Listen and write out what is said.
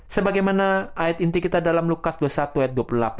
sebagaimana ayat inti kita dalam lukas dua puluh satu ayat dua puluh delapan